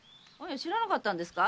知らなかったんですか。